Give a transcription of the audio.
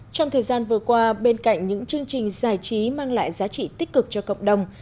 trong thời gian vừa qua bên cạnh những chương trình giải trí mang lại giá trị tích cực cho cộng đồng